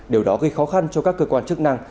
điều đó gây khó khăn cho các cơ quan chức năng